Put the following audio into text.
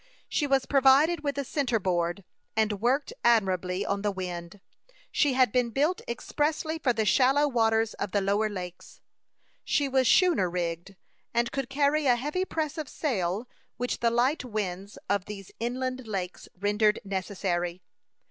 She was provided with a centre board, and worked admirably on the wind. She had been built expressly for the shallow waters of the lower lakes. She was schooner rigged, and could carry a heavy press of sail, which the light winds of these inland lakes rendered necessary.